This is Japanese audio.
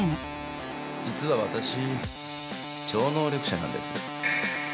実はわたし超能力者なんです。